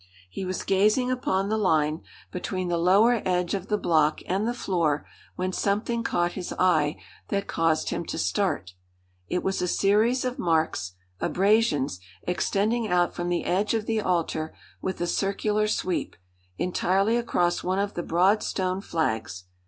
He was gazing upon the line, between the lower edge of the block and the floor, when something caught his eye that caused him to start. It was a series of marks abrasions extending out from the edge of the altar, with a circular sweep, entirely across one of the broad stone flags.